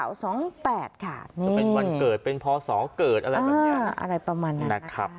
วันเกิดเป็นพ๒เกิดอะไรประมาณนั้นนะครับ